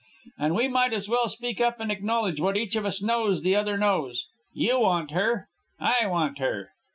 "And we might as well speak up and acknowledge what each of us knows the other knows. You want her. I want her."